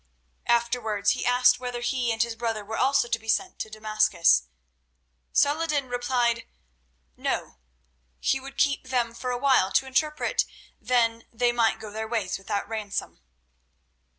Afterwards he asked whether he and his brother were also to be sent to Damascus. Saladin replied, "No; he would keep them for awhile to interpret, then they might go their ways without ransom."